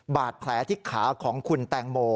บาดแผลที่ขาของคุณแตงโม